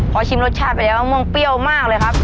พอชิมรสชาติไปแล้วมะม่วงเปรี้ยวมากเลยครับ